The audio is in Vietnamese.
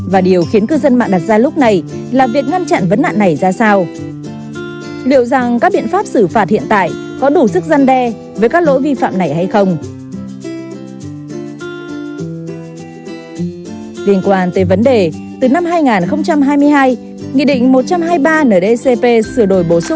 và điều khiến cư dân mạng đặt ra lúc này là việc ngăn chặn vấn nạn này ra sao